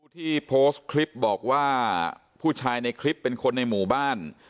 ที่โพสต์คลิปบอกว่าผู้ชายในคลิปเป็นคนในหมู่บ้าน